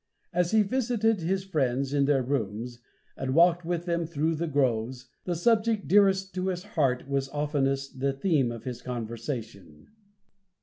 As he visited his friends in their rooms, and walked with them through the groves, the subject dearest to his heart was oftenest the theme of his conversation.